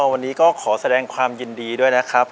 วันนี้ก็ขอแสดงความยินดีด้วยนะครับ